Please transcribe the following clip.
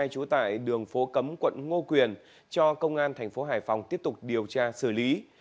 trú tại đường phố cấm quận ngô quyền cho công an thành phố hải phòng tiếp tục điều tra xử lý